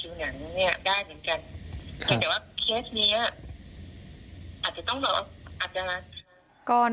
แต่ว่าเคสนี้อาจจะต้องรออาจจะ